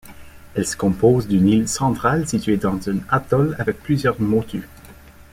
Elle se compose d'une île centrale située dans un atoll avec plusieurs motus.